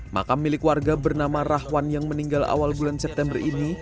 makam milik warga bernama rahwan yang meninggal awal bulan september ini